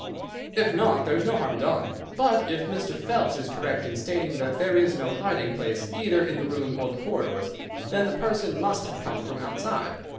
"If not, there is no harm done. But if Mr. Phelps is correct in stating that there is no hiding place either in the room or the corridors, then the person must have come from outside.